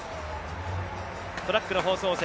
トラックの放送席